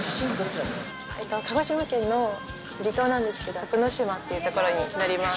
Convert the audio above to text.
鹿児島県の離島なんですけど、徳之島ってところになります。